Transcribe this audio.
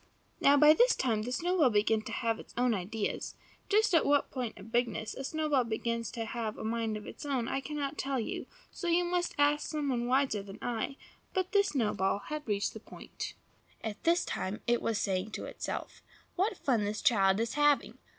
Now, by this time the snowball began to have its own ideas. Just at what point of bigness a snowball begins to have a mind of its own I cannot tell you, so you must ask some one wiser than I; but this snowball had reached the point. At this moment it was saying to itself, "What fun this child is having!